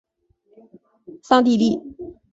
桑蒂利。